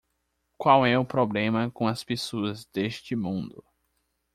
qual é o problema com as pessoas deste mundo